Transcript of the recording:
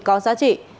có giá trị